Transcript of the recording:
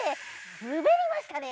すべりましたね！